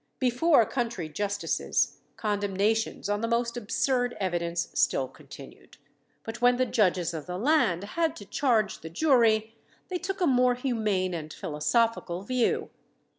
Before country justices, condemnations on the most absurd evidence still continued; but when the judges of the land had to charge the jury, they took a more humane and philosophical view.